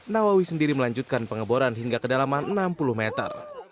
nawawi sendiri melanjutkan pengeboran hingga kedalaman enam puluh meter